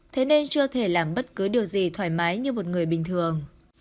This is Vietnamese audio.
thế nên chưa thể làm bất cứ điều gì thoải mái như một người bình thường